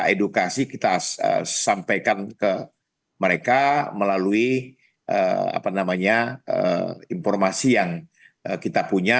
edukasi kita sampaikan ke mereka melalui informasi yang kita punya